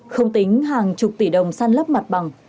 không tính hàng chục tỷ đồng săn lấp mặt bằng